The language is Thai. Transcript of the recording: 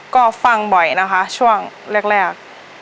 ก็ฟังบ่อยนะคะช่วงแรก